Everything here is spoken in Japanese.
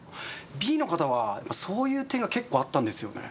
Ｂの方はそういう点が結構あったんですよね